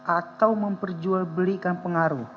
atau memperjualbelikan pengaruh